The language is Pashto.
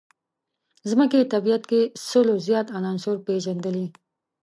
ځمکې طبیعت کې سلو زیات عناصر پېژندلي.